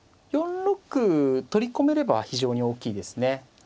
４六取り込めれば非常に大きいですね。